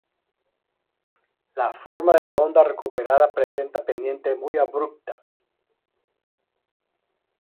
La forma de la onda recuperada presenta pendientes muy abruptas.